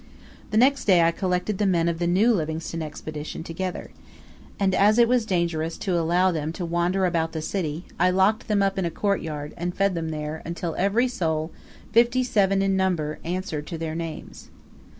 The next day I collected the men of the new Livingstone Expedition together, and as it was dangerous to allow them to wander about the city, I locked them up in a courtyard, and fed them there, until every soul, fifty seven in number, answered to their names.